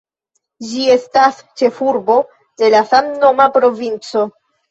Ĝi estas ĉefurbo de la samnoma provinco.